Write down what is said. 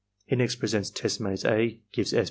He next presents test maze A, gives S.